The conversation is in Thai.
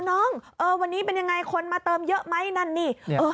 น้องเออวันนี้เป็นยังไงคนมาเติมเยอะไหมนั่นนี่เออ